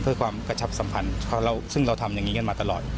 เพื่อความกระชับสัมพันธ์ซึ่งเราทำอย่างนี้กันมาตลอด